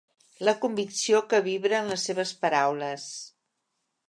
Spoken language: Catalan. La convicció que vibra en les seves paraules.